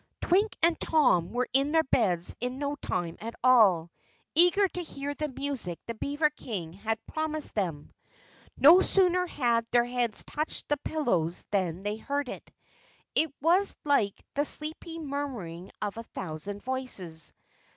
Twink and Tom were in their beds in no time at all, eager to hear the music the beaver King had promised them. No sooner had their heads touched the pillows than they heard it. It was like the sleepy murmuring of a thousand voices.